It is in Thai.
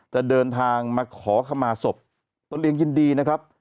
จะเดินทางมาขอขมาศพตนเองยินดีนะครับ